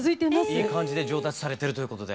いい感じで上達されているということで。